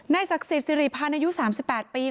นายศักดิ์ศรีภาณายุ๓๘ปี